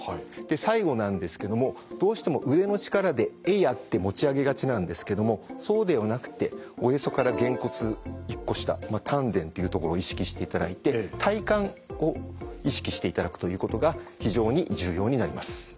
最後なんですけどもどうしても上の力で「えいや！」って持ち上げがちなんですけどもそうではなくておへそからげんこつ１個下丹田っていう所を意識していただいて体幹を意識していただくということが非常に重要になります。